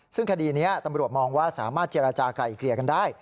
ซึ่งคดีนี้ตำรวจมองว่าสามารถเจรจากลายเกลี่ยกันได้